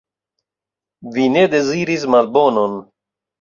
Vi ne deziris malbonon.